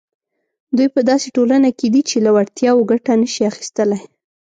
دوی په داسې ټولنه کې دي چې له وړتیاوو ګټه نه شي اخیستلای.